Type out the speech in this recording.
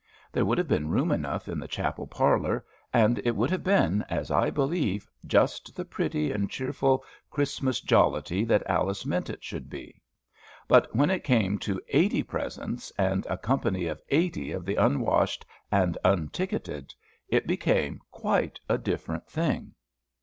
There would have been room enough in the chapel parlor; and it would have been, as I believe, just the pretty and cheerful Christmas jollity that Alice meant it should be. But when it came to eighty presents, and a company of eighty of the unwashed and unticketed, it became quite a different thing.